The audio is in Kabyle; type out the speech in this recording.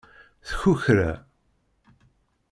Tkukra.